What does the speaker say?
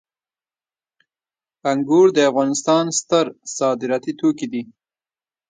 انګور د افغانستان ستر صادراتي توکي دي